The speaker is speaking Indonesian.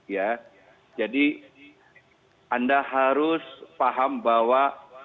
ya jadi anda harus paham bahwa